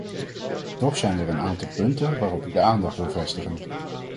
Toch zijn er een aantal punten waarop ik de aandacht wil vestigen.